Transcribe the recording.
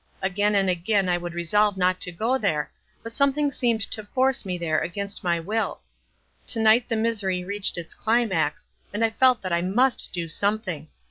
Again and again I would resolve not to go there, but something seemed to force me there against my will. To night the misery reached its climax, and I felt that I must do something.